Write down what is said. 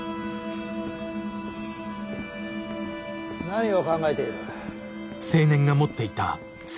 何を考えている？